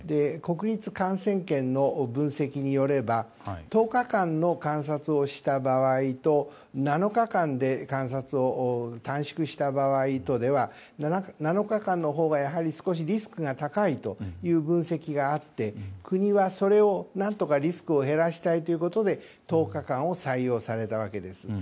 国立感染研の分析によれば１０日間の観察をした場合と７日間で観察を短縮した場合とでは７日間のほうがやはり少しリスクが高いという分析があって国はそれを何とかリスクを減らしたいということで１０日間を採用されたわけです。